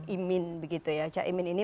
imin begitu ya caimin ini